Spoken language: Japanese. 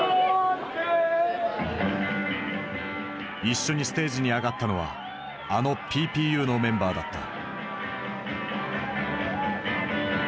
一緒にステージに上がったのはあのＰＰＵのメンバーだった。